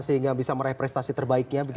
sehingga bisa merepresentasi terbaiknya